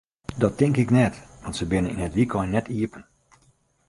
Dat tink ik net, want se binne yn it wykein net iepen.